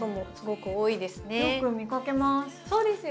よく見かけます。